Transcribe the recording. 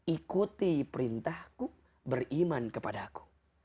ikuti perintahku beriman kepada aku